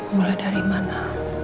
mulai dari mana